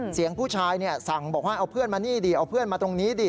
เสียงผู้ชายสั่งบอกว่าเอาเพื่อนมานี่ดิเอาเพื่อนมาตรงนี้ดิ